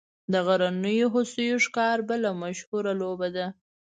د غرنیو هوسیو ښکار بله مشهوره لوبه ده